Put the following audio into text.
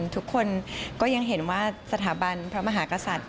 ทุกคนก็ยังเห็นว่าสถาบันพระมหากษัตริย์